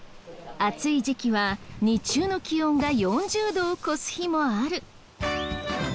暑い時期は日中の気温が４０度を超す日もある。